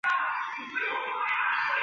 布鲁斯。